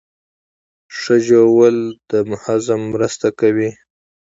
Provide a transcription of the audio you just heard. ښه ژوول د هضم مرسته کوي